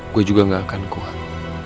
gue juga gak akan kuat